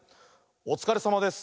「おつかれさまです」。